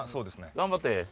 頑張って。